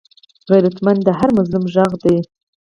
غیرتمند د هر مظلوم غږ دی